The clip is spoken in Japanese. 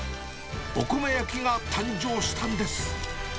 おこめ焼きが誕生したんです。